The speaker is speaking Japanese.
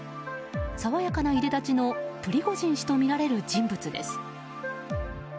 爽やかないでたちのプリゴジン氏とみられる人物です。